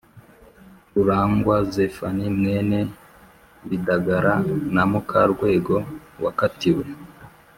Rurangwa zephanie mwene bidagara na mukarwego wakatiwe